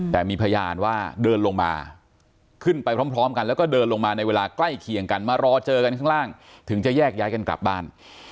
แต่มีพยานว่าเดินลงมาขึ้นไปพร้อมกันแล้วก็เดินลงมาในเวลาใกล้เคียงกันมารอเจอกันข้างล่างถึงจะแยกย้ายกันกลับบ้าน